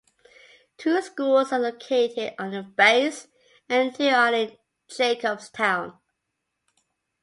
Two schools are located on the base and two are in Jacobstown.